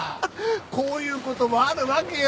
こういう事もあるわけよ。